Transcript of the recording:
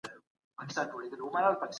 ځان غوښتونکی مه اوسئ.